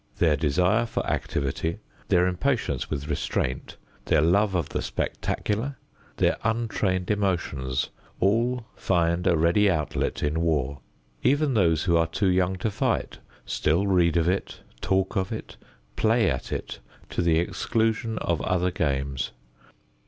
Their desire for activity, their impatience with restraint, their love of the spectacular, their untrained emotions, all find a ready outlet in war. Even those who are too young to fight still read of it, talk of it, play at it to the exclusion of other games.